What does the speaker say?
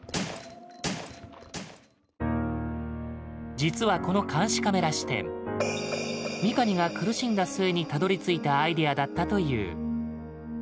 実はこの監視カメラ視点三上が苦しんだ末にたどりついたアイデアだったという。